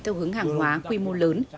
tư hưởng hàng hóa quy mô lớn